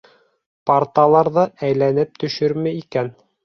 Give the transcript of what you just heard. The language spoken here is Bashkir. Парталар ҙа әйләнеп төшөрмө икән?